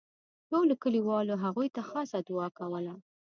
ټولو کلیوالو هغوی ته خاصه دوعا کوله.